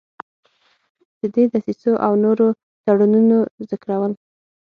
د دې دسیسو او نورو تړونونو ذکرول.